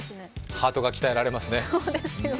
ハートが鍛えられますね。